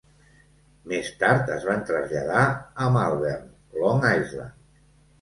Més tard es van traslladar a Malverne, Long Island.